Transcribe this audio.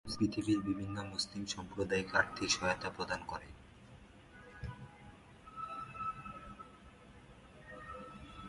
এই কাউন্সিল পৃথিবীর বিভিন্ন মুসলিম সম্প্রদায়কে আর্থিক সহায়তা প্রদান করে।